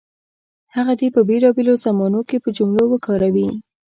هغه دې په بېلابېلو زمانو کې په جملو کې وکاروي.